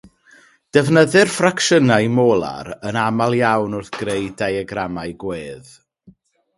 Defnyddir ffracsiynau molar yn aml iawn wrth greu diagramau gwedd.